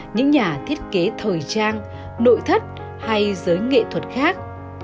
những nhà thiết kế thời trang nội thất hay giới nghệ thuật khác